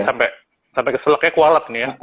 sampai keselaknya kualet nih ya